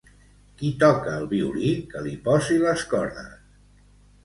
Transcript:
Qui toca el violí, que li posi les cordes.